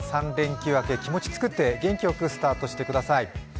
３連休明け、気持つくって元気よくスタートしてください。